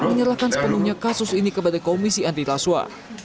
menyerahkan sepenuhnya kasus ini kepada komisi antiraswa